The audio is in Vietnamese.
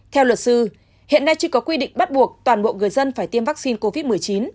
theo luật sư hiện nay chưa có quy định bắt buộc toàn bộ người dân phải tiêm vaccine covid một mươi chín